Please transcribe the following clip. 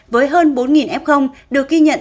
với hơn bốn f